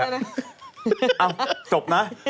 เอาจบนะ